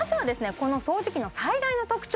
この掃除機の最大の特徴